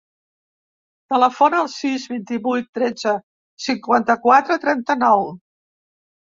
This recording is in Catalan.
Telefona al sis, vint-i-vuit, tretze, cinquanta-quatre, trenta-nou.